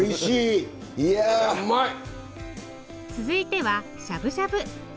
続いてはしゃぶしゃぶ。